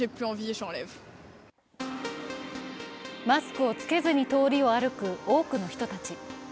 マスクを着けずに通りを歩く多くの人たち。